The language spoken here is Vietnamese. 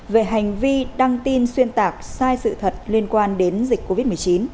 về hành vi đăng tin xuyên tạc sai sự thật liên quan đến dịch covid một mươi chín